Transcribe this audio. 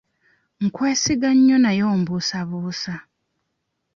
Nkwesiga nnyo naye ombuusabuusa.